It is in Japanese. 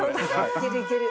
いけるいける。